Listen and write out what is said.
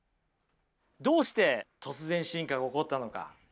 どうして突然進化が起こったのか。